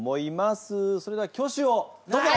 それでは挙手をどうぞ！